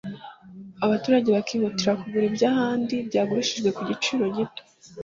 abaturage bakihutira kugura iby'ahandi byagurishijwe ku giciro gito.